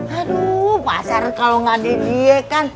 aduh pasar kalo gak ada dia kan